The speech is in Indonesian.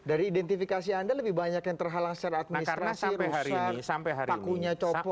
dari identifikasi anda lebih banyak yang terhalang secara administrasi rusak pakunya copot